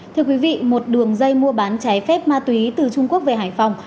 thưa quý vị một đường dây mua bán trái phép ma túy từ trung quốc về hải phòng